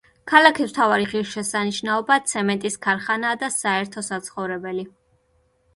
ქალაქის მთავარი ღირშესანიშნაობაა ცემენტის ქარხანა და საერთო საცხოვრებელი.